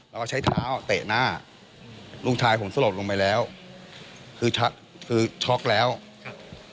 แล้วก็ใช้เท้าเตะหน้าลูกชายผมสลบลงไปแล้วคือคือช็อกแล้วครับ